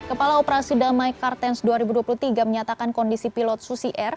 kepala operasi damai kartens dua ribu dua puluh tiga menyatakan kondisi pilot susi air